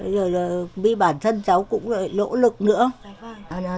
bởi vì bản thân cháu cũng lỗ lực nữa